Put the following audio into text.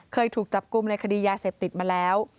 เคยถูกจับกลุ่มในคดียาเสพติดมาแล้ว